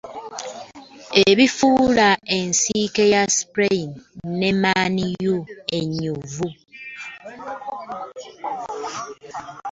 Ebifuula ensiike ya spurs ne Man u enyuvu ,